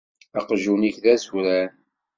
Aqjun-ik d azuran.